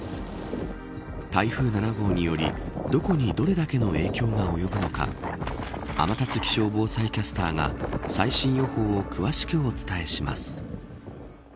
台風７号によりどこにどれだけの影響が及ぶのか天達気象防災キャスターが最新予報を詳しくお伝えします。